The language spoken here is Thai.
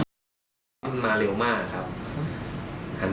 และยืนยันเหมือนกันว่าจะดำเนินคดีอย่างถึงที่สุดนะครับ